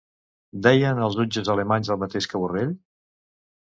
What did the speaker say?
Deien els jutges alemanys el mateix que Borrell?